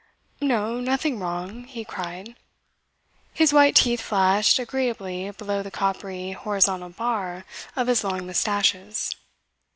"No, nothing wrong," he cried. His white teeth flashed agreeably below the coppery horizontal bar of his long moustaches.